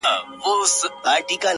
ځمه ويدېږم ستا له ياده سره شپې نه كوم!